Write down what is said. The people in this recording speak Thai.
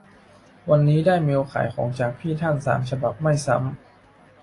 วันนี้ได้เมลขายของจากพี่ท่านสามฉบับไม่ซ้ำ